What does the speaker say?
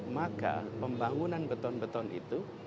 maka pembangunan beton beton itu